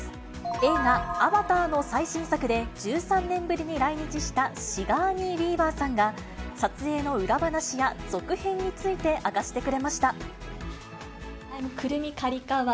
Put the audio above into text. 映画、アバターの最新作で、１３年ぶりに来日したシガーニー・ウィーバーさんが、撮影の裏話や、続編について明かしてくれました。